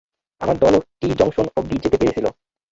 আমার দলও টি-জংশন অব্ধিই যেতে পেরেছিল।